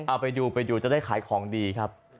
เอาไปดูไปดูจะได้ขายของดีครับ